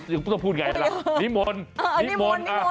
อยากคุ้กพูดไงล่ะนิทมนต์นิทมนต์